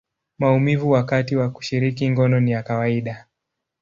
maumivu wakati wa kushiriki ngono ni ya kawaida.